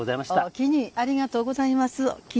おおきにありがとうございます。